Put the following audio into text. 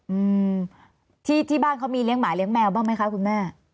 อืมที่ที่บ้านเขามีเลี้ยหมาเลี้ยแมวบ้างไหมคะคุณแม่